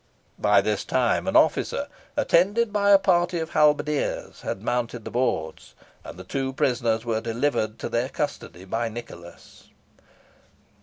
By this time an officer, attended by a party of halberdiers, had mounted the boards, and the two prisoners were delivered to their custody by Nicholas.